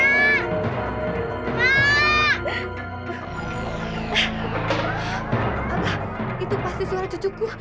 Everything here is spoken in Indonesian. ah itu pasti suara cucuku